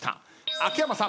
秋山さん